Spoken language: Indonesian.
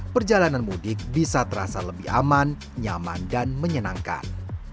perjalanan mudik bisa terasa lebih aman nyaman dan menyenangkan